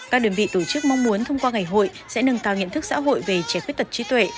các đơn vị tổ chức mong muốn thông qua ngày hội sẽ nâng cao nhận thức xã hội về trẻ khuyết tật trí tuệ